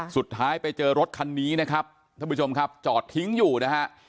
สุดท้ายไปเจอรถคันนี้นะครับท่านผู้ชมครับจอดทิ้งอยู่นะฮะ